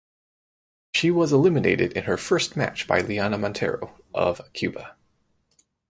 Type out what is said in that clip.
She was eliminated in her first match by Lianna Montero of Cuba.